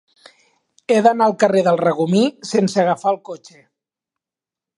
He d'anar al carrer del Regomir sense agafar el cotxe.